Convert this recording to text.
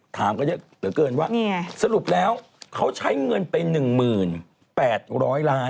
ถามกันเยอะเหลือเกินว่าสรุปแล้วเขาใช้เงินไป๑๘๐๐ล้าน